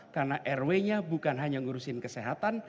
karena rwnya bukan hanya ngurusin kesehatan